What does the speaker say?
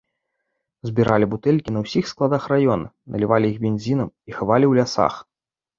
Збіралі бутэлькі на ўсіх складах раёна, налівалі іх бензінам і хавалі ў лясах.